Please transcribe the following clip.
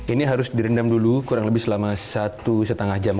ini harus direndam dulu kurang lebih selama satu setengah jam